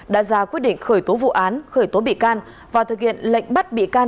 đã ra quyết định khởi tố vụ án khởi tố bị can và thực hiện lệnh bắt bị can